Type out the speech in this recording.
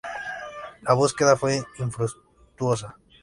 La búsqueda fue infructuosa.